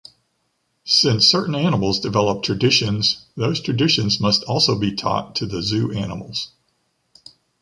Since certain animals develop traditions, those traditions must also be taught to the zoo animals.